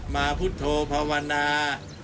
มาพุทธโธภาวนา